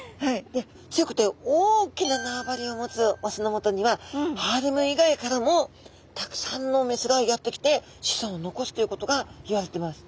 で強くて大きな縄張りを持つオスのもとにはハーレム以外からもたくさんのメスがやってきて子孫を残すということが言われてます。